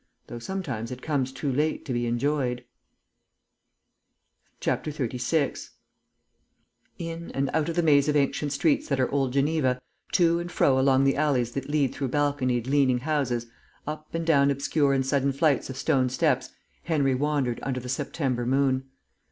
Though sometimes it comes too late to be enjoyed. 36 In and out of the maze of ancient streets that are Old Geneva, to and fro along the alleys that lead through balconied, leaning houses, up and down obscure and sudden flights of stone steps, Henry wandered under the September moon.